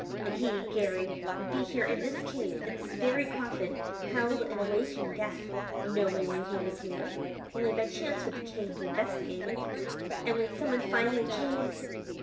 And he, Garry, would be here in this cave, in this very coffin, held in a waking death. No one knew he was here; only by chance would the cave be investigated. And when someone finally came!